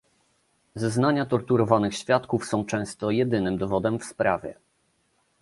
Zeznania torturowanych świadków są często jedynym dowodem w sprawie